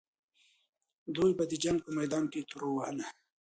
دوی به د جنګ په میدان کې توره وهله.